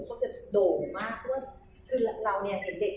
เพราะหัวมันจะดวงเขาก็ลุกเนียงมาก